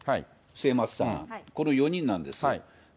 末松さん、この４人なんです。